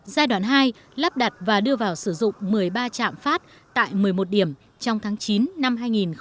giai đoạn hai lắp đặt và đưa vào sử dụng một mươi ba trạm phát tại một mươi một điểm trong tháng chín năm hai nghìn hai mươi